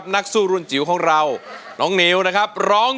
น้องนิวร้อย